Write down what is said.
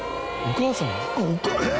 お母さん？